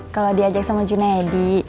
kalau diajak sama june eddy